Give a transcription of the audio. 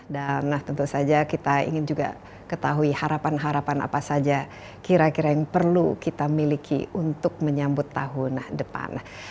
dan tentu saja kita ingin juga ketahui harapan harapan apa saja kira kira yang perlu kita miliki untuk menyambut tahun depan